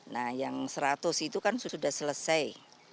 nah yang seratus itu kan sudah selesai